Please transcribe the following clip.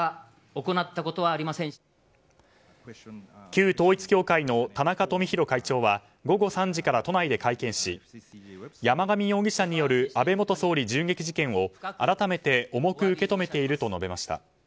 旧統一教会の田中富広会長は午後３時から都内で会見し山上容疑者による安倍元総理銃撃事件を改めて重く受け止めていると述べました。